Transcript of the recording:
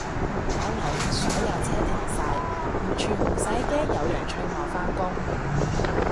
我樓下所有車停晒，完全唔使驚有人催我返工